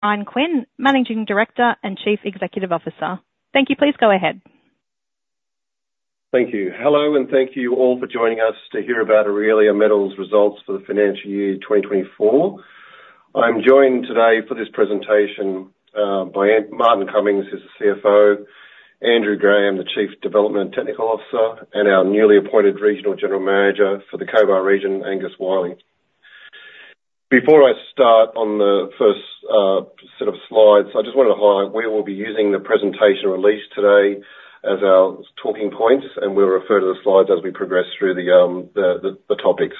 Bryan Quinn, Managing Director and Chief Executive Officer. Thank you. Please go ahead. Thank you. Hello, and thank you all for joining us to hear about Aurelia Metals' results for the financial year 2024. I'm joined today for this presentation by Martin Cummings, who's the CFO, Andrew Graham, the Chief Development/Technical Officer, and our newly appointed Regional General Manager for the Cobar region, Angus Wyllie. Before I start on the first set of slides, I just wanted to highlight, we will be using the presentation release today as our talking points, and we'll refer to the slides as we progress through the topics.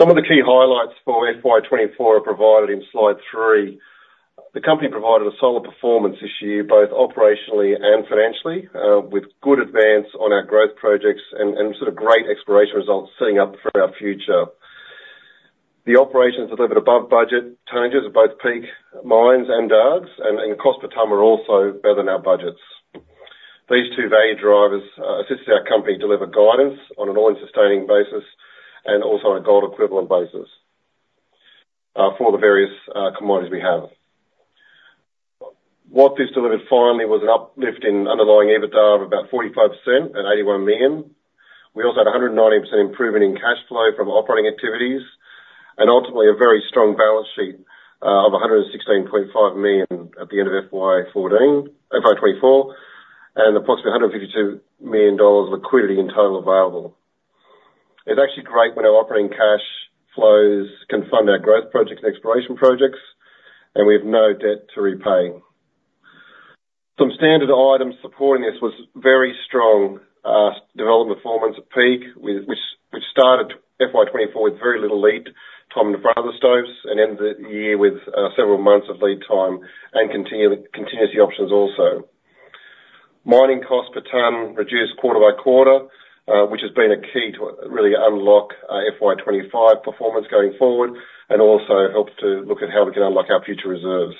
Some of the key highlights for FY 2024 are provided in Slide 3. The company provided a solid performance this year, both operationally and financially, with good advance on our growth projects and sort of great exploration results setting up for our future. The operations delivered above budget tonnages at both Peak Mine and Dargues, and cost per tonne are also better than our budgets. These two value drivers assisted our company deliver guidance on an all-in sustaining basis and also on a gold equivalent basis for the various commodities we have. What this delivered finally was an uplift in underlying EBITDA of about 45% and 81 million. We also had a 190% improvement in cash flow from operating activities, and ultimately a very strong balance sheet of 116.5 million at the end of FY 2024, and approximately 152 million dollars liquidity in total available. It's actually great when our operating cash flows can fund our growth projects and exploration projects, and we have no debt to repay. Some standard items supporting this was very strong development performance at Peak, with which started FY 2024 with very little lead time in front of the stopes, and ended the year with several months of lead time and contingency options also. Mining costs per ton reduced quarter by quarter, which has been a key to really unlock FY 2025 performance going forward, and also helps to look at how we can unlock our future reserves.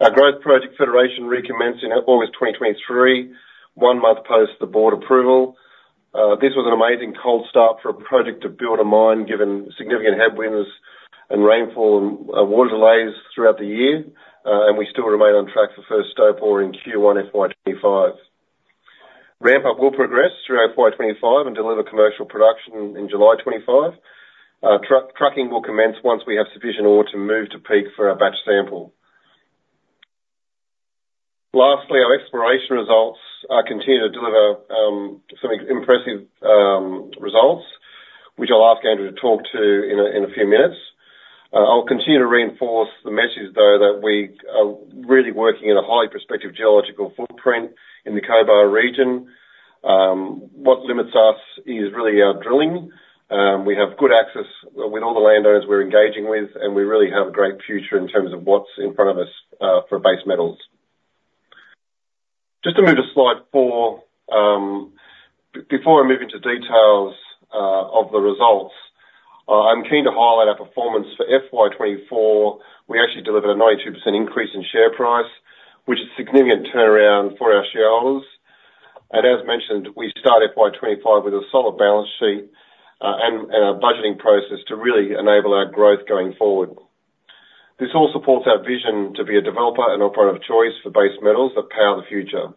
Our growth project Federation recommenced in August 2023, one month post the board approval. This was an amazing cold start for a project to build a mine, given significant headwinds and rainfall and water delays throughout the year, and we still remain on track for first stope ore in Q1 FY 2025. Ramp up will progress through FY 2025 and deliver commercial production in July 2025. Trucking will commence once we have sufficient ore to move to Peak for our batch sample. Lastly, our exploration results continue to deliver some impressive results, which I'll ask Andrew to talk to in a few minutes. I'll continue to reinforce the message, though, that we are really working in a highly prospective geological footprint in the Cobar region. What limits us is really our drilling. We have good access with all the landowners we're engaging with, and we really have a great future in terms of what's in front of us for base metals. Just to move to slide four, before I move into details of the results, I'm keen to highlight our performance for FY 2024. We actually delivered a 92% increase in share price, which is a significant turnaround for our shareholders, and as mentioned, we've started FY 2025 with a solid balance sheet and a budgeting process to really enable our growth going forward. This all supports our vision to be a developer and operator of choice for base metals that power the future,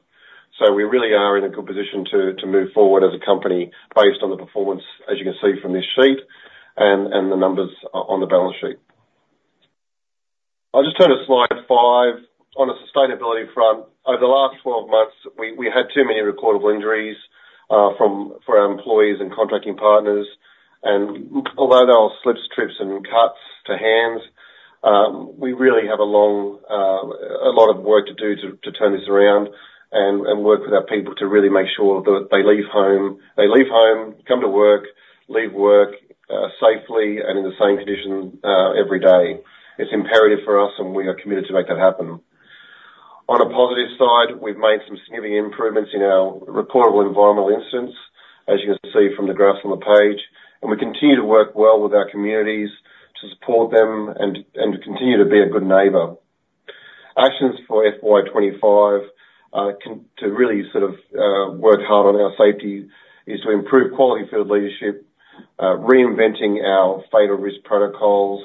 so we really are in a good position to move forward as a company based on the performance, as you can see from this sheet, and the numbers on the balance sheet. I'll just turn to slide five. On a sustainability front, over the last twelve months, we had too many recordable injuries for our employees and contracting partners, and although they were slips, trips, and cuts to hands, we really have a lot of work to do to turn this around and work with our people to really make sure that they leave home. They leave home, come to work, leave work, safely and in the same condition every day. It's imperative for us, and we are committed to make that happen. On a positive side, we've made some significant improvements in our reportable environmental incidents, as you can see from the graphs on the page, and we continue to work well with our communities to support them and continue to be a good neighbor. Actions for FY 2025 continue to really sort of work hard on our safety is to improve quality field leadership, reinventing our fatal risk protocols,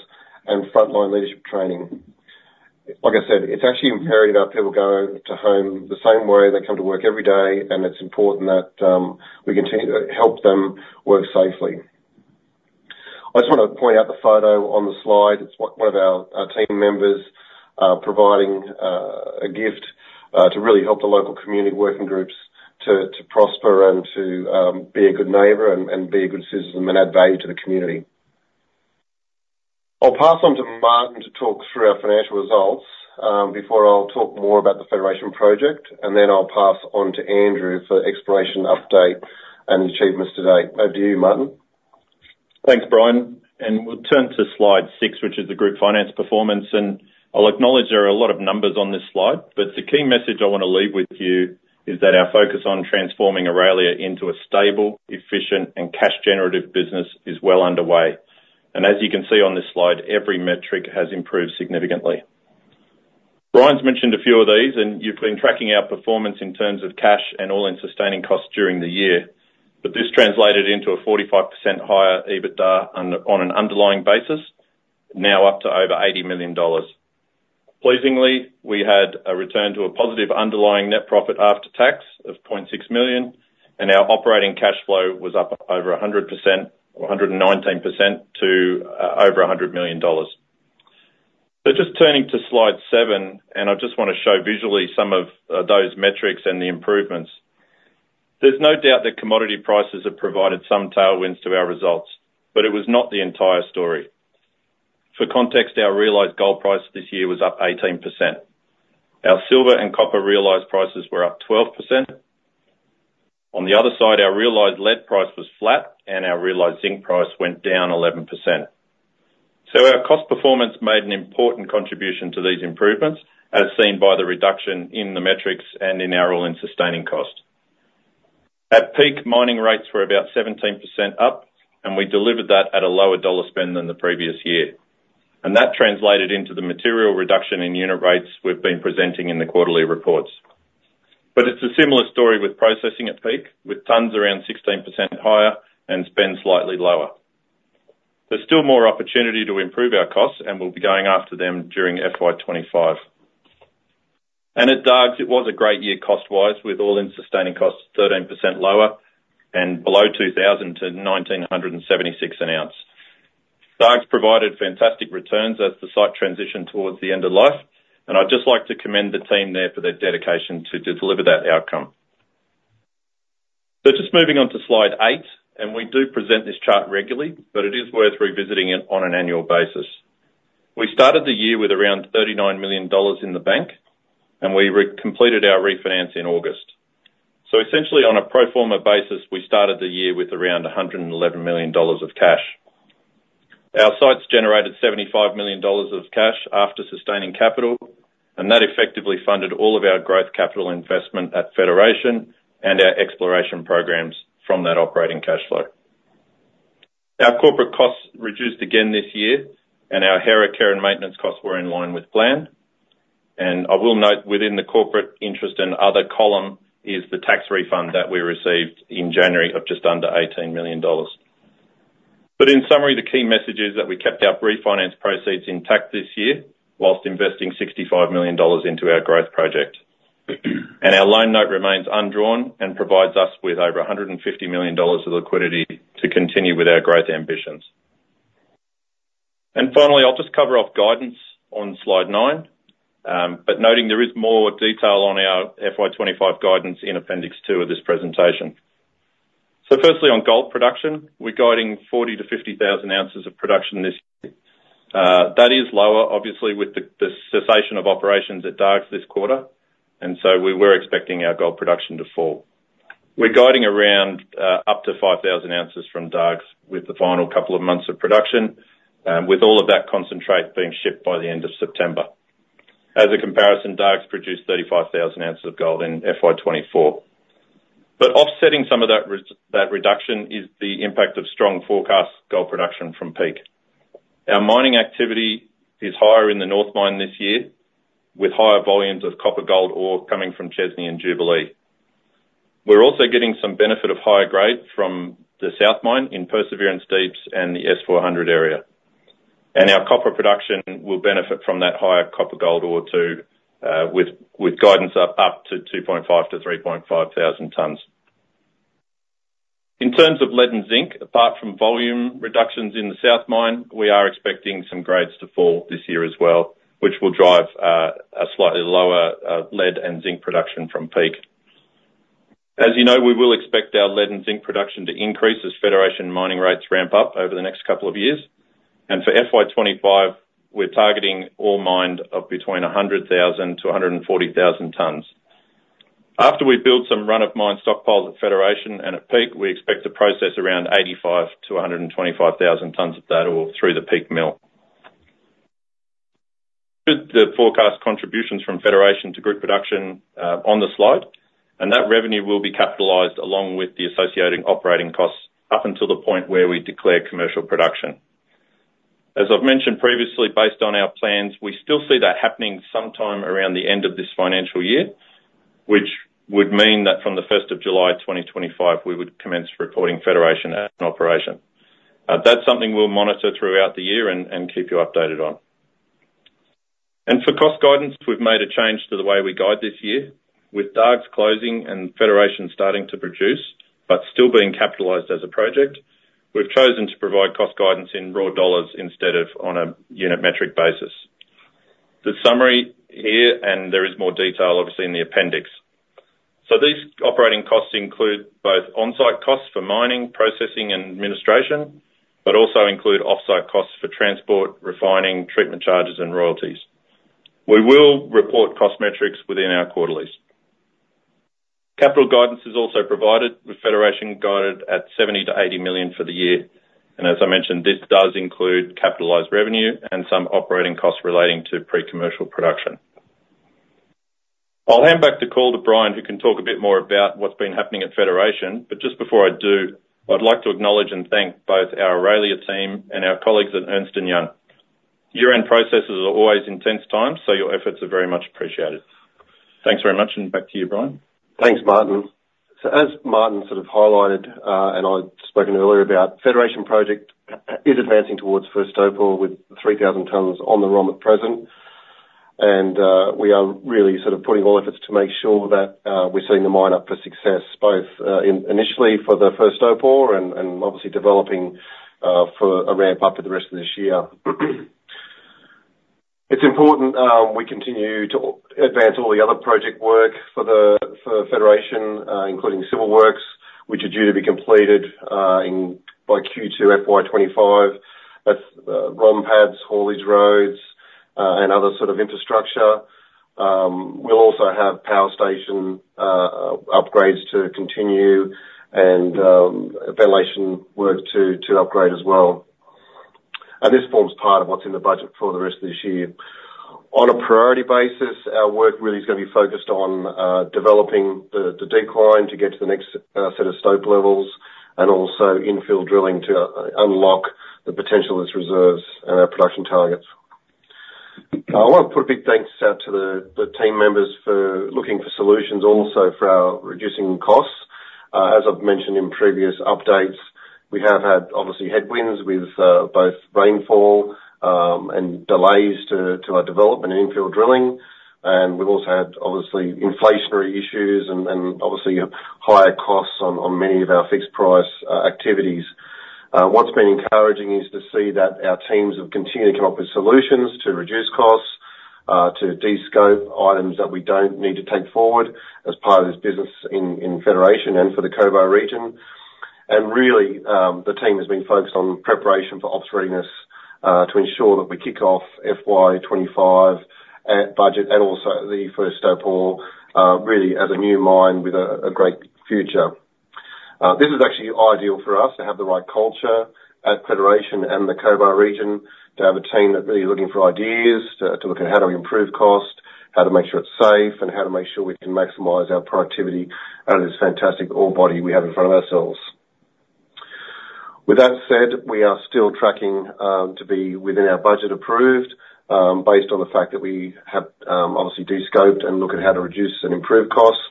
and frontline leadership training. Like I said, it's actually imperative our people go home the same way they come to work every day, and it's important that we continue to help them work safely. I just want to point out the photo on the slide. It's one of our team members providing a gift to really help the local community working groups to prosper and to be a good neighbor and be a good citizen and add value to the community. I'll pass on to Martin to talk through our financial results, before I'll talk more about the Federation project, and then I'll pass on to Andrew for exploration update and achievements today. Over to you, Martin. Thanks, Bryan, and we'll turn to Slide 6, which is the group finance performance, and I'll acknowledge there are a lot of numbers on this slide, but the key message I want to leave with you is that our focus on transforming Aurelia into a stable, efficient and cash generative business is well underway, and as you can see on this slide, every metric has improved significantly. Bryan's mentioned a few of these, and you've been tracking our performance in terms of cash and all-in sustaining costs during the year, but this translated into a 45% higher EBITDA on an underlying basis, now up to over 80 million dollars. Pleasingly, we had a return to a positive underlying net profit after tax of 0.6 million, and our operating cash flow was up over 100% or 119% to over 100 million dollars. So just turning to Slide 7, and I just wanna show visually some of those metrics and the improvements. There's no doubt that commodity prices have provided some tailwinds to our results, but it was not the entire story. For context, our realized gold price this year was up 18%. Our silver and copper realized prices were up 12%. On the other side, our realized lead price was flat, and our realized zinc price went down 11%. So our cost performance made an important contribution to these improvements, as seen by the reduction in the metrics and in our all-in sustaining cost. At Peak, mining rates were about 17% up, and we delivered that at a lower dollar spend than the previous year, and that translated into the material reduction in unit rates we've been presenting in the quarterly reports. But it's a similar story with processing at Peak, with tonnes around 16% higher and spend slightly lower. There's still more opportunity to improve our costs, and we'll be going after them during FY 2025, and at Dargues, it was a great year cost-wise, with all-in sustaining costs 13% lower and below AUD2,000-AUD1,976 an ounce. Dargues provided fantastic returns as the site transitioned towards the end of life, and I'd just like to commend the team there for their dedication to deliver that outcome. Just moving on to Slide 8, and we do present this chart regularly, but it is worth revisiting it on an annual basis. We started the year with around 39 million dollars in the bank, and we recompleted our refinance in August. Essentially, on a pro forma basis, we started the year with around 111 million dollars of cash. Our sites generated 75 million dollars of cash after sustaining capital, and that effectively funded all of our growth capital investment at Federation and our exploration programs from that operating cash flow. Our corporate costs reduced again this year, and our Hera care and maintenance costs were in line with plan. I will note, within the corporate interest and other column is the tax refund that we received in January of just under 18 million dollars. But in summary, the key message is that we kept our refinance proceeds intact this year, whilst investing 65 million dollars into our growth project. And our loan note remains undrawn and provides us with over 150 million dollars of liquidity to continue with our growth ambitions. And finally, I'll just cover off guidance on Slide 9, but noting there is more detail on our FY 2025 guidance in Appendix 2 of this presentation. So firstly, on gold production, we're guiding 40-50 thousand ounces of production this year. That is lower, obviously, with the cessation of operations at Dargues this quarter, and so we were expecting our gold production to fall. We're guiding around up to 5,000 ounces from Dargues with the final couple of months of production, with all of that concentrate being shipped by the end of September. As a comparison, Dargues produced 35,000 ounces of gold in FY 2024. But offsetting some of that reduction is the impact of strong forecast gold production from Peak. Our mining activity is higher in the North Mine this year, with higher volumes of copper-gold ore coming from Chesney and Jubilee. We're also getting some benefit of higher grade from the South Mine in Perseverance Deeps and the S400 area. Our copper production will benefit from that higher copper gold ore, with guidance up to 2,500-3,500 tonnes. In terms of lead and zinc, apart from volume reductions in the South Mine, we are expecting some grades to fall this year as well, which will drive a slightly lower lead and zinc production from Peak. As you know, we will expect our lead and zinc production to increase as Federation mining rates ramp up over the next couple of years, and for FY 2025, we're targeting ore mined of between 100,000 to 140,000 tonnes. After we've built some run-of-mine stockpiles at Federation and at Peak, we expect to process around 85,000 to 125,000 tonnes of that ore through the Peak mill. The forecast contributions from Federation to group production on the slide, and that revenue will be capitalized along with the associated operating costs, up until the point where we declare commercial production. As I've mentioned previously, based on our plans, we still see that happening sometime around the end of this financial year, which would mean that from the first of July 2025, we would commence reporting Federation as an operation. That's something we'll monitor throughout the year and keep you updated on. And for cost guidance, we've made a change to the way we guide this year. With Dargues closing and Federation starting to produce, but still being capitalized as a project, we've chosen to provide cost guidance in raw dollars instead of on a unit metric basis. The summary here, and there is more detail, obviously, in the appendix. So these operating costs include both onsite costs for mining, processing, and administration, but also include offsite costs for transport, refining, treatment charges, and royalties. We will report cost metrics within our quarterlies. Capital guidance is also provided, with Federation guided at 70-80 million for the year, and as I mentioned, this does include capitalized revenue and some operating costs relating to pre-commercial production. I'll hand back the call to Bryan, who can talk a bit more about what's been happening at Federation. But just before I do, I'd like to acknowledge and thank both our Aurelia team and our colleagues at Ernst & Young. Year-end processes are always intense times, so your efforts are very much appreciated. Thanks very much, and back to you, Bryan. Thanks, Martin. So as Martin sort of highlighted, and I'd spoken earlier about, Federation Project is advancing towards first ore with 3,000 tons on the run at present. And we are really sort of putting all efforts to make sure that we're setting the mine up for success, both initially for the first ore and obviously developing for a ramp up for the rest of this year. It's important we continue to advance all the other project work for Federation, including civil works, which are due to be completed by Q2 FY 2025. That's ROM pads, haulage roads, and other sort of infrastructure. We'll also have power station upgrades to continue and ventilation work to upgrade as well. This forms part of what's in the budget for the rest of this year. On a priority basis, our work really is gonna be focused on developing the decline to get to the next set of stope levels, and also infill drilling to unlock the potential as reserves and our production targets. I want to put a big thanks out to the team members for looking for solutions, also for our reducing costs. As I've mentioned in previous updates, we have had obviously headwinds with both rainfall and delays to our development and infill drilling. We've also had obviously inflationary issues and obviously higher costs on many of our fixed price activities. What's been encouraging is to see that our teams have continued to come up with solutions to reduce costs, to descope items that we don't need to take forward as part of this business in Federation and for the Cobar region. And really, the team has been focused on preparation for ops readiness, to ensure that we kick off FY 2025 at budget and also the first ore, really as a new mine with a great future. This is actually ideal for us to have the right culture at Federation and the Cobar region, to have a team that's really looking for ideas, to look at how do we improve cost, how to make sure it's safe, and how to make sure we can maximize our productivity out of this fantastic ore body we have in front of ourselves. With that said, we are still tracking to be within our budget approved, based on the fact that we have obviously descoped and look at how to reduce and improve costs,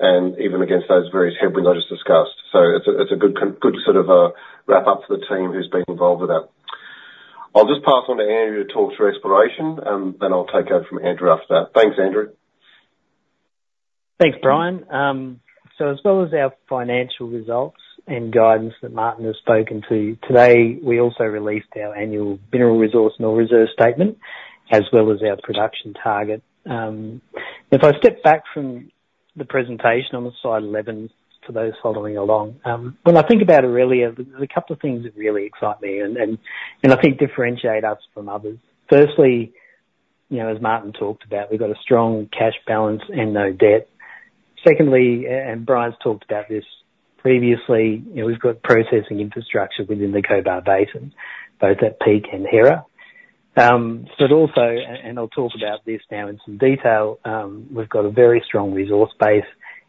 and even against those various headwinds I just discussed. So it's a, it's a good sort of wrap-up for the team who's been involved with that. I'll just pass on to Andrew to talk through exploration, and then I'll take over from Andrew after that. Thanks, Andrew. Thanks, Bryan. So as well as our financial results and guidance that Martin has spoken to today, we also released our annual Mineral Resource and Ore Reserve Statement, as well as our production target. If I step back from the presentation on the Slide 11, to those following along, when I think about Aurelia, there's a couple of things that really excite me and I think differentiate us from others. Firstly, you know, as Martin talked about, we've got a strong cash balance and no debt. Secondly, and Bryan's talked about this previously, you know, we've got processing infrastructure within the Cobar Basin, both at Peak and Hera. But also, and I'll talk about this now in some detail, we've got a very strong resource base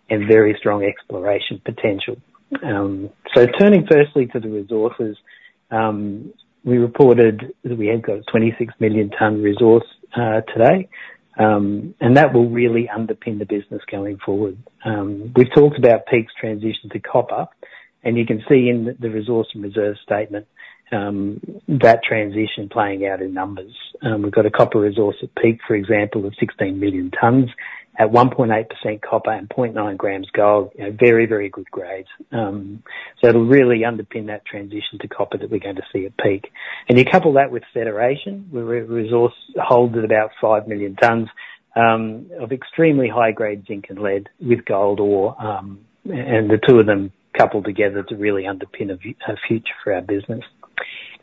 and very strong exploration potential. So turning firstly to the resources, we reported that we have got a 26 million ton resource today, and that will really underpin the business going forward. We've talked about Peak's transition to copper, and you can see in the resource and reserve statement that transition playing out in numbers. We've got a copper resource at Peak, for example, of 16 million tons at 1.8% copper and 0.9 grams gold. You know, very, very good grades. So it'll really underpin that transition to copper that we're going to see at Peak. And you couple that with Federation resource holds at about 5 million tons of extremely high-grade zinc and lead with gold ore, and the two of them coupled together to really underpin a future for our business.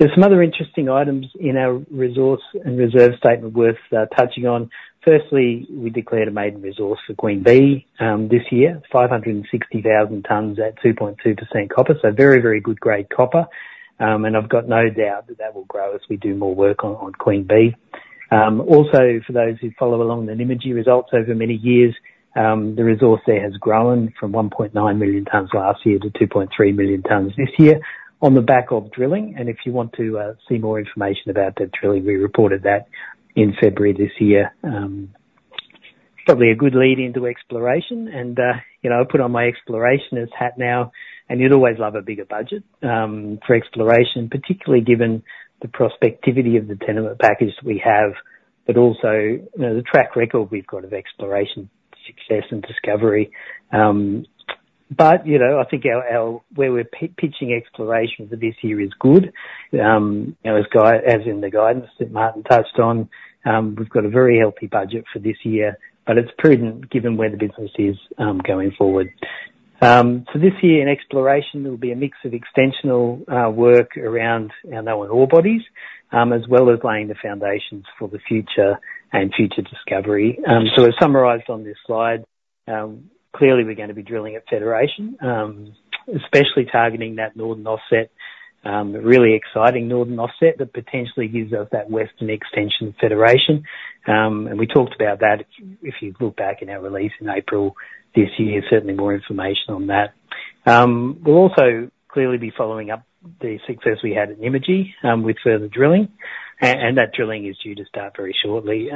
There's some other interesting items in our resource and reserve statement worth touching on. Firstly, we declared a maiden resource for Queen Bee this year, 500,000 tons at 2.2% copper. So very, very good grade copper, and I've got no doubt that that will grow as we do more work on Queen Bee. Also, for those who follow along the Nymagee results over many years, the resource there has grown from 1.9 million tons last year to 2.3 million tons this year on the back of drilling. If you want to see more information about that drilling, we reported that in February this year. Probably a good lead into exploration and, you know, I'll put on my explorationist hat now, and you'd always love a bigger budget for exploration, particularly given the prospectivity of the tenement package we have, but also, you know, the track record we've got of exploration success and discovery. But, you know, I think where we're pitching exploration for this year is good. You know, as in the guidance that Martin touched on, we've got a very healthy budget for this year, but it's prudent given where the business is going forward. So this year in exploration, there will be a mix of extensional work around our known ore bodies, as well as laying the foundations for the future and future discovery. So as summarized on this slide, clearly, we're gonna be drilling at Federation, especially targeting that northern offset, really exciting northern offset that potentially gives us that western extension of Federation. And we talked about that. If you look back in our release in April this year, certainly more information on that. We'll also clearly be following up the success we had at Nymagee, with further drilling. And that drilling is due to start very shortly.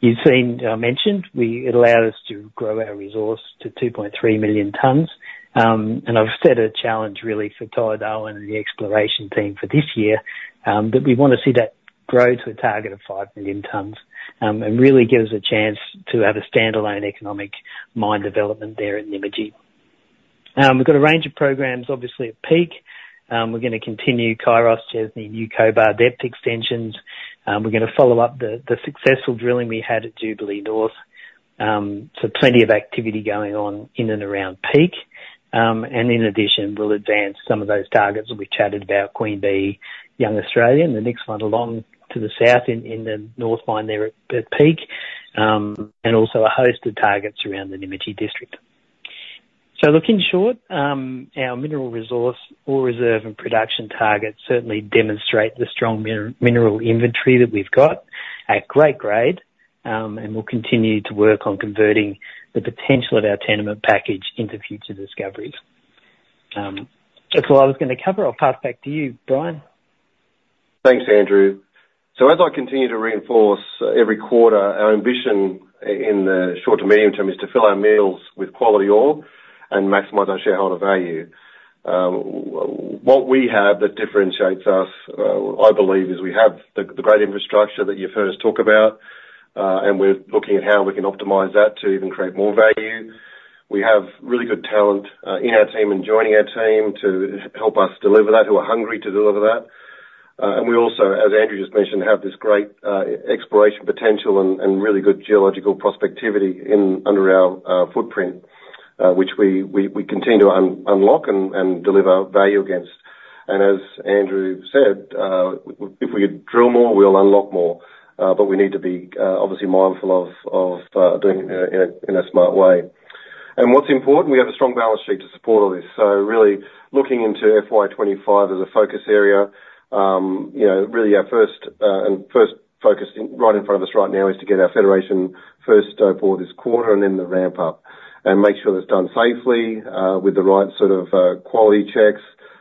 You've seen, I mentioned, it allowed us to grow our resource to 2.3 million tons. And I've set a challenge really for Todd Allen and the exploration team for this year, that we want to see that grow to a target of five million tons. And really give us a chance to have a standalone economic mine development there at Nymagee. We've got a range of programs, obviously, at Peak. We're gonna continue Kairos, Chesney, New Cobar depth extensions. We're gonna follow up the successful drilling we had at Jubilee North, so plenty of activity going on in and around Peak, and in addition, we'll advance some of those targets that we chatted about, Queen Bee, Young Australian, the next one along to the south in the North Mine there at Peak, and also a host of targets around the Nymagee district, so look, in short, our mineral resource or reserve and production targets certainly demonstrate the strong mineral inventory that we've got of great grade, and we'll continue to work on converting the potential of our tenement package into future discoveries. That's all I was gonna cover. I'll pass back to you, Bryan. Thanks, Andrew. So as I continue to reinforce every quarter, our ambition in the short to medium term is to fill our mills with quality ore and maximize our shareholder value. What we have that differentiates us, I believe, is we have the great infrastructure that you've heard us talk about, and we're looking at how we can optimize that to even create more value. We have really good talent in our team and joining our team to help us deliver that, who are hungry to deliver that. And we also, as Andrew just mentioned, have this great exploration potential and really good geological prospectivity in under our footprint, which we continue to unlock and deliver value against. As Andrew said, if we drill more, we'll unlock more, but we need to be obviously mindful of doing it in a smart way. What's important, we have a strong balance sheet to support all this. Really, looking into FY 2025 as a focus area, you know, really our first focus in right in front of us right now is to get our Federation first ore for this quarter, and then the ramp up. Make sure that's done safely with the right sort of quality checks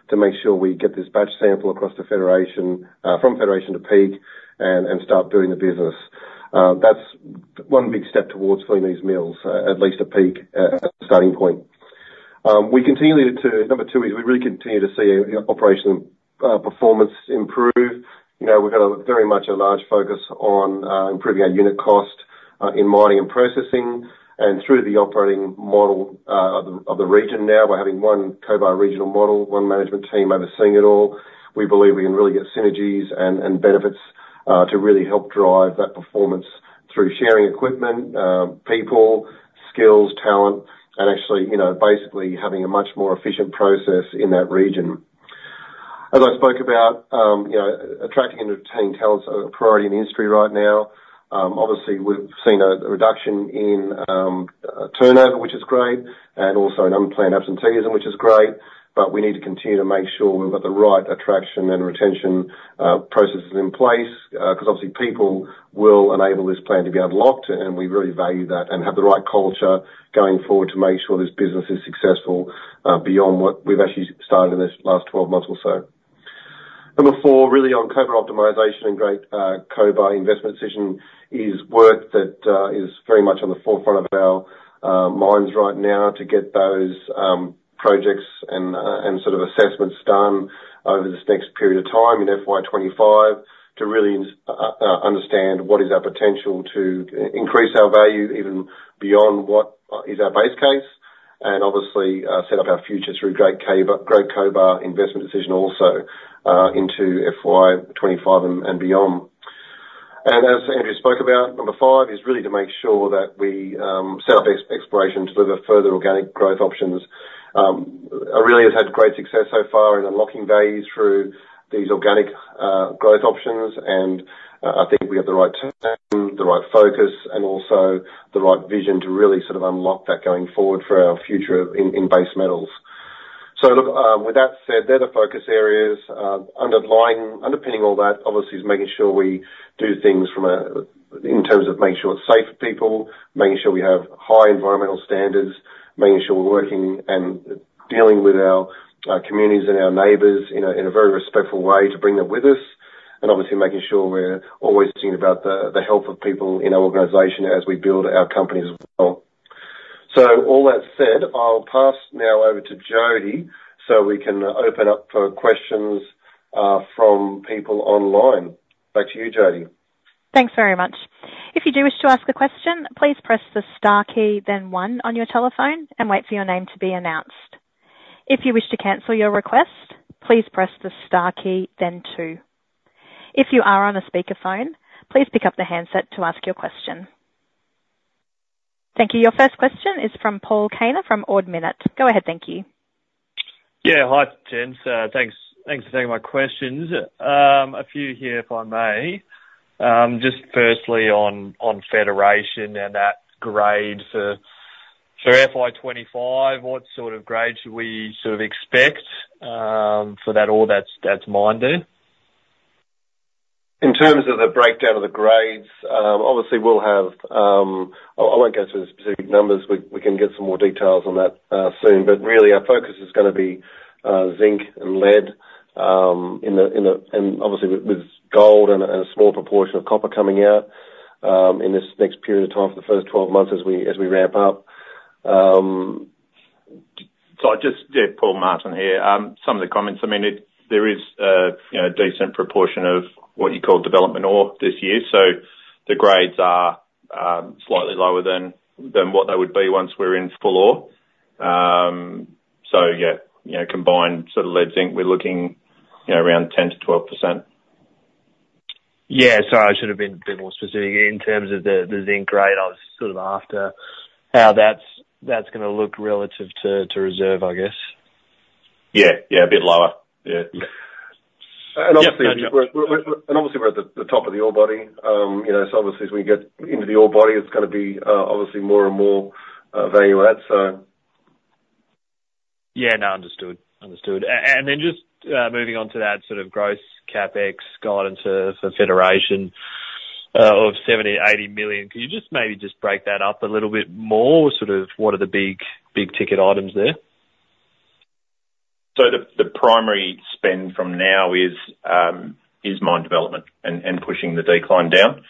to make sure we get this batch sample across the Federation from Federation to Peak and start doing the business. That's one big step towards filling these mills at least at Peak, a starting point. We continue to, number two is we really continue to see operational performance improve. You know, we've had a very much a large focus on improving our unit cost in mining and processing, and through the operating model of the region now. We're having one Cobar regional model, one management team overseeing it all. We believe we can really get synergies and benefits to really help drive that performance through sharing equipment, people, skills, talent, and actually, you know, basically having a much more efficient process in that region. As I spoke about, you know, attracting and retaining talent is a priority in the industry right now. Obviously, we've seen a reduction in turnover, which is great, and also in unplanned absenteeism, which is great, but we need to continue to make sure we've got the right attraction and retention processes in place, because obviously, people will enable this plan to be unlocked, and we really value that and have the right culture going forward to make sure this business is successful, beyond what we've actually started in this last twelve months or so. Number four, really on copper optimization and Great Cobar investment decision is work that is very much on the forefront of our minds right now, to get those projects and sort of assessments done over this next period of time in FY 25, to really understand what is our potential to increase our value even beyond what is our base case, and obviously set up our future through Great Cobar investment decision also into FY 25 and beyond. And as Andrew spoke about, number five is really to make sure that we set up exploration to deliver further organic growth options. Aurelia has had great success so far in unlocking value through these organic growth options, and I think we have the right team, the right focus, and also the right vision to really sort of unlock that going forward for our future in base metals. So look, with that said, they're the focus areas. Underpinning all that, obviously, is making sure we do things from in terms of making sure it's safe for people, making sure we have high environmental standards, making sure we're working and dealing with our communities and our neighbors in a very respectful way to bring them with us, and obviously, making sure we're always thinking about the health of people in our organization as we build our company as well. So all that said, I'll pass now over to Jodie, so we can open up for questions, from people online. Back to you, Jodie. Thanks very much. If you do wish to ask a question, please press the star key, then one on your telephone and wait for your name to be announced. If you wish to cancel your request, please press the star key, then two. If you are on a speakerphone, please pick up the handset to ask your question. Thank you. Your first question is from Paul Kaner, from Ord Minnett. Go ahead. Thank you. Yeah. Hi, Quinn. So thanks for taking my questions. A few here, if I may. Just firstly on Federation and that grade for FY 2025, what sort of grade should we sort of expect for that ore that's mining? In terms of the breakdown of the grades, obviously we'll have. Oh, I won't go through the specific numbers. We can get some more details on that soon. But really, our focus is gonna be zinc and lead, and obviously with gold and a small proportion of copper coming out in this next period of time for the first 12 months as we ramp up. Sorry, just, yeah, Paul. Martin here. Some of the comments, I mean, it, there is a, you know, decent proportion of what you call development ore this year, so the grades are slightly lower than what they would be once we're in full ore. So yeah, you know, combined sort of lead, zinc, we're looking, you know, around 10%-12%. Yeah. So I should have been a bit more specific. In terms of the zinc grade, I was sort of after how that's gonna look relative to reserve, I guess. Yeah. Yeah, a bit lower. Yeah. Obviously, we're at the top of the ore body. You know, so obviously as we get into the ore body, it's gonna be obviously more and more value add, so. Yeah. No, understood. Understood. And then just moving on to that sort of growth CapEx guidance for Federation of 70-80 million, could you just maybe just break that up a little bit more? Sort of, what are the big big-ticket items there? So the primary spend from now is mine development and pushing the decline down.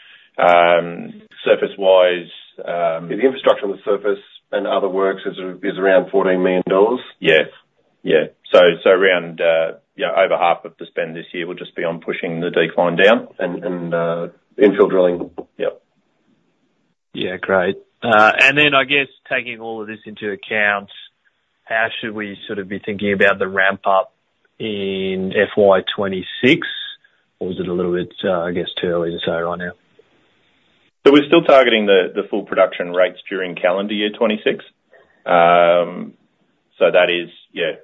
Surface-wise, The infrastructure on the surface and other works is around 14 million dollars. Yes. Yeah. So around, you know, over half of the spend this year will just be on pushing the decline down and, Infill drilling. Yep. Yeah. Great, and then, I guess, taking all of this into account, how should we sort of be thinking about the ramp up in FY 2026, or is it a little bit, I guess, too early to say right now? So we're still targeting the full production rates during calendar year 2026. Yeah,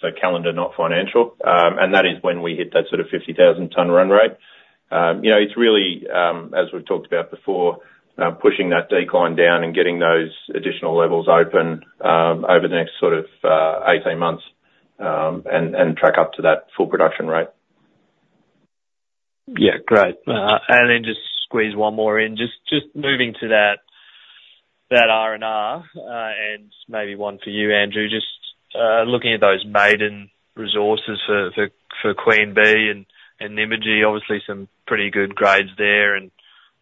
so calendar, not financial. And that is when we hit that sort of 50,000-ton run rate. You know, it's really, as we've talked about before, pushing that decline down and getting those additional levels open, over the next sort of 18 months, and track up to that full production rate. Yeah. Great, and then just squeeze one more in. Just moving to that R&R, and maybe one for you, Andrew, just looking at those maiden resources for Queen Bee and Nymagee, obviously some pretty good grades there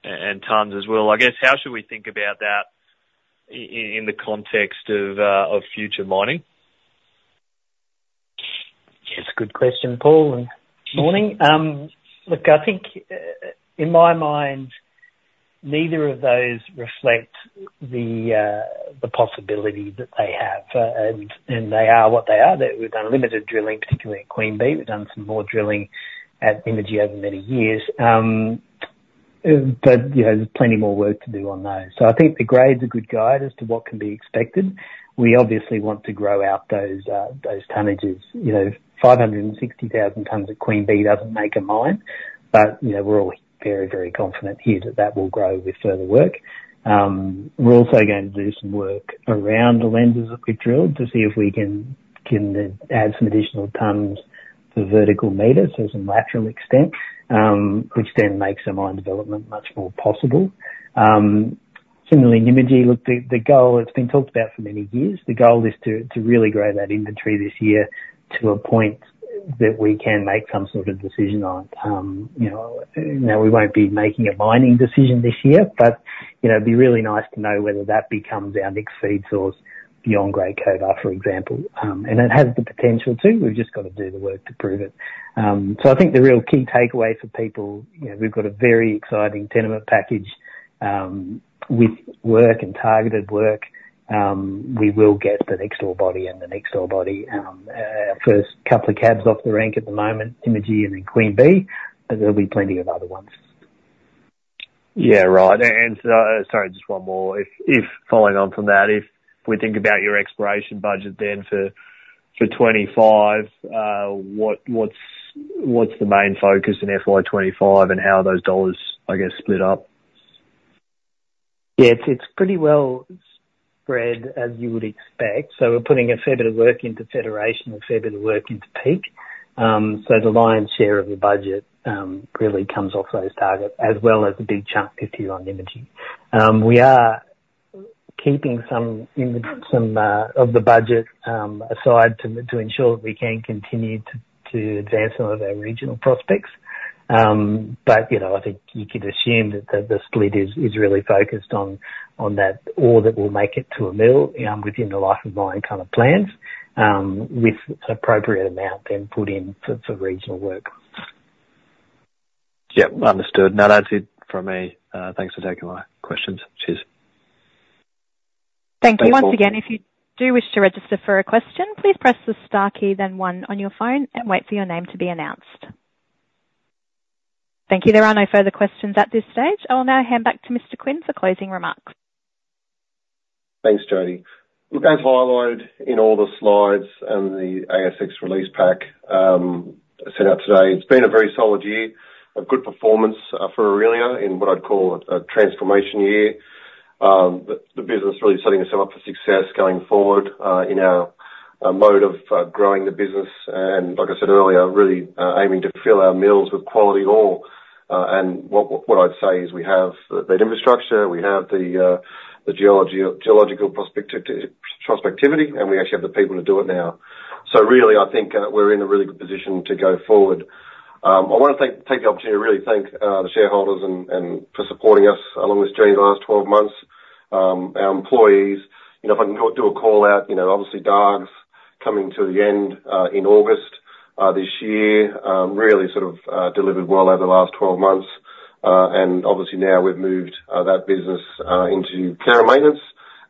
and tons as well. I guess, how should we think about that in the context of future mining? Yeah, it's a good question, Paul, and morning. Look, I think, in my mind, neither of those reflect the, the possibility that they have. And they are what they are. We've done limited drilling, particularly at Queen Bee. We've done some more drilling at Nymagee over many years. But, you know, there's plenty more work to do on those. So I think the grades are a good guide as to what can be expected. We obviously want to grow out those tonnages. You know, five hundred and sixty thousand tons of Queen Bee doesn't make a mine, but, you know, we're all very, very confident here that that will grow with further work. We're also going to do some work around the lenses that we drilled to see if we can add some additional tons to vertical meters, so some lateral extent, which then makes the mine development much more possible. Similarly, Nymagee, look, the goal it's been talked about for many years. The goal is to really grow that inventory this year to a point that we can make some sort of decision on. You know, now, we won't be making a mining decision this year, but, you know, it'd be really nice to know whether that becomes our next feed source beyond Great Cobar, for example. And it has the potential to, we've just got to do the work to prove it. So I think the real key takeaway for people, you know, we've got a very exciting tenement package, with work and targeted work, we will get the next ore body and the next ore body. Our first couple of cabs off the rank at the moment, Nymagee and then Queen Bee, but there'll be plenty of other ones. Yeah. Right. And, sorry, just one more. If following on from that, if we think about your exploration budget then for 2025, what's the main focus in FY 2025 and how are those dollars, I guess, split up? Yeah, it's pretty well spread, as you would expect. So we're putting a fair bit of work into Federation, a fair bit of work into Peak. So the lion's share of the budget really comes off those targets, as well as a big chunk, 50, on Nymagee. We are keeping some of the budget aside to ensure that we can continue to advance some of our regional prospects. But you know, I think you could assume that the split is really focused on that ore that will make it to a mill within the life of mine kind of plans, with an appropriate amount then put in for regional work. Yep. Understood. No, that's it from me. Thanks for taking my questions. Cheers. Thank you. Once again, if you do wish to register for a question, please press the star key, then one on your phone and wait for your name to be announced. Thank you. There are no further questions at this stage. I will now hand back to Mr. Quinn for closing remarks. Thanks, Jodie. Look, as highlighted in all the slides and the ASX release pack sent out today, it's been a very solid year, a good performance for Aurelia in what I'd call a transformation year. The business really setting itself up for success going forward in our mode of growing the business, and like I said earlier, really aiming to fill our mills with quality ore, and what I'd say is we have the infrastructure, we have the geological prospectivity, and we actually have the people to do it now. So really, I think we're in a really good position to go forward. I want to take the opportunity to really thank the shareholders and for supporting us along this journey the last twelve months. Our employees, you know, if I can do a call-out, you know, obviously Dargues, coming to the end, in August, this year, really sort of delivered well over the last 12 months, and obviously now we've moved that business into care and maintenance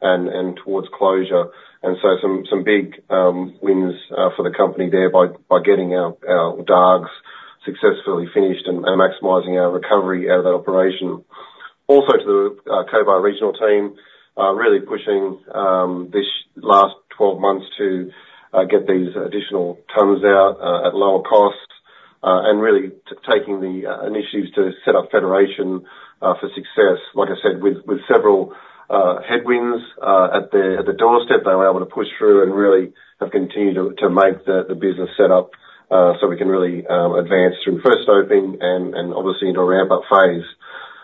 and towards closure, and so some big wins for the company there by getting our Dargues successfully finished and maximizing our recovery out of that operation. Also, to the Cobar regional team, really pushing this last 12 months to get these additional tons out at lower costs and really taking the initiatives to set up Federation for success. Like I said, with several headwinds at the doorstep, they were able to push through and really have continued to make the business set up so we can really advance through first opening and obviously into a ramp-up phase.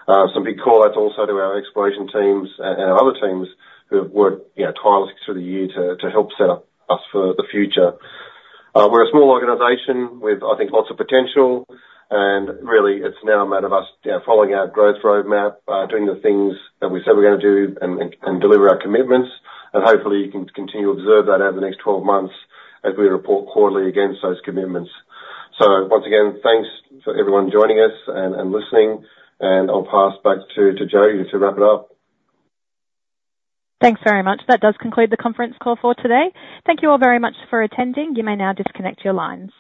Some big call-outs also to our exploration teams and our other teams who have worked, you know, tirelessly through the year to help set up us for the future. We're a small organization with, I think, lots of potential, and really it's now a matter of us, you know, following our growth roadmap, doing the things that we said we're gonna do and deliver our commitments, and hopefully you can continue to observe that over the next twelve months as we report quarterly against those commitments. Once again, thanks for everyone joining us and listening, and I'll pass back to Jodie to wrap it up. Thanks very much. That does conclude the conference call for today. Thank you all very much for attending. You may now disconnect your lines.